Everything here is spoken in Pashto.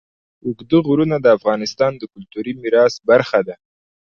اوږده غرونه د افغانستان د کلتوري میراث برخه ده.